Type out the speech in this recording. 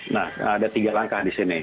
nah ada tiga langkah di sini